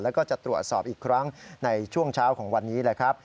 แล้วก็จะตรวจสอบอีกครั้งในช่วงเช้าของวันนี้แหละครับ